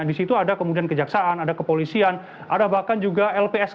di situ ada kemudian kejaksaan ada kepolisian ada bahkan juga lpsk